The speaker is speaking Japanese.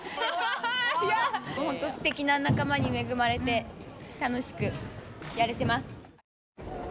すてきな仲間に恵まれて楽しくやれてます。